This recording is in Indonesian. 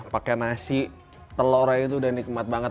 pakai nasi telurnya itu udah nikmat banget